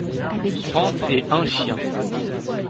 Trente et un chiens.